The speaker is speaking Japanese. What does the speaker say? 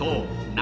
何？